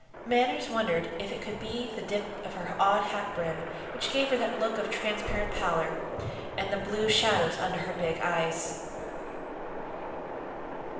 Manners wondered if it could be the dip of her odd hat brim which gave her that look of transparent pallor, and the blue shadows under her big eyes.